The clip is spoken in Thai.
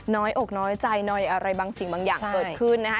น้อยอกน้อยใจหน่อยอะไรบางสิ่งบางอย่างเกิดขึ้นนะคะ